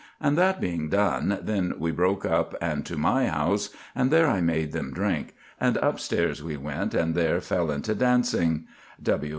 And that being done, then we broke up, and to my house, and there I made them drink; and upstairs we went, and there fell into dancing (W.